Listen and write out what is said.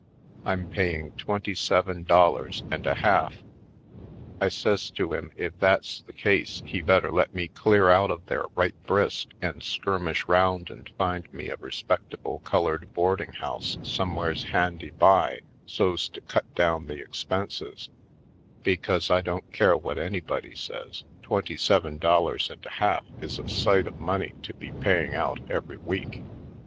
I'm paying twenty seven dollars and a half." I says to him if that's the case he better let me clear out of there right brisk and skirmish round and find me a respectable colored boarding house somewheres handy by, so's to cut down the expenses, because, I don't care what anybody says, twenty seven dollars and a half is a sight of money to be paying out every week.